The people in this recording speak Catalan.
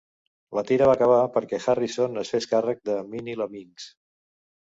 La tira va acabar perquè Harrison es fes càrrec de Minnie la Minx.